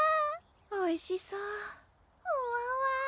おいしそうほわわぁ！